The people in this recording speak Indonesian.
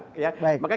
maka kita bisa mencari